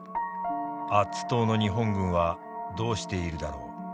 アッツ島の日本軍はどうしているだろう。